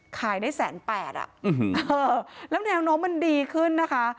ขายได้แสนแปดอ่ะแล้วแนวโน้มมันดีขึ้นนะคะ